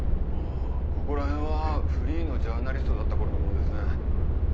あぁここらへんはフリーのジャーナリストだった頃のものですね。